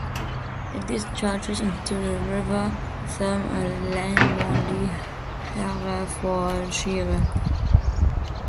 It discharges into the River Teme at Leintwardine, Herefordshire.